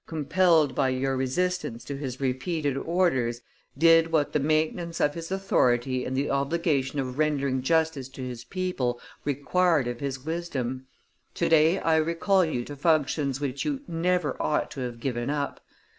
"compelled by your resistance to his repeated orders, did what the maintenance of his authority and the obligation of rendering justice to his people required of his wisdom. Today I recall you to functions which you never ought to have given up.